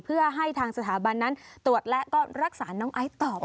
เพื่อให้ทางสถาบันนั้นตรวจและก็รักษาน้องไอซ์ต่อไป